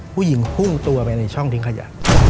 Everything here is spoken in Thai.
ผู้หญิงพุ่งตัวไปในช่องทิ้งขยะ